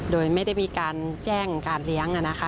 โดยไม่ได้มีการแจ้งการเลี้ยง